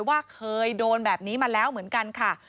ว่าเคยโดนแบบนี้มาแล้วเหมือนกันค่ะ